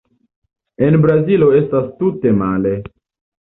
En Brazilo estas tute male.